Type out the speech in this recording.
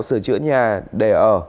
sửa chữa nhà để ở